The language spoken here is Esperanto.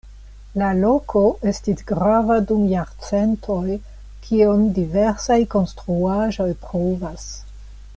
La loko estis grava dum jarcentoj, kion diversaj konstruaĵoj pruvas.